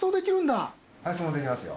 配送もできますよ。